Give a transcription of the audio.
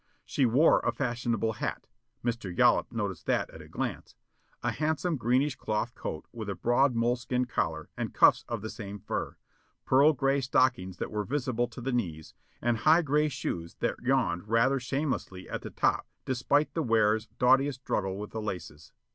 She wore a fashionable hat, (Mr. Yollop noticed that at a glance) a handsome greenish cloth coat with a broad moleskin collar and cuffs of the same fur, pearl gray stockings that were visible to the knees, and high gray shoes that yawned rather shamelessly at the top despite the wearer's doughtiest struggle with the laces.